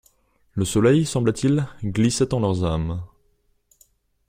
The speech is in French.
Le soleil, sembla-t-il, glissait en leurs âmes.